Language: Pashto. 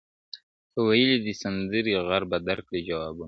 که ویلې دي سندري غر به درکړي جوابونه -